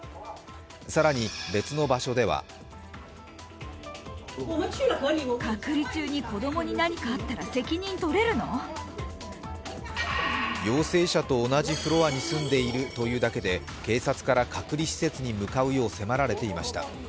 更に、別の場所では陽性者と同じフロアに住んでいるというだけで警察から隔離施設に向かうよう迫られていました。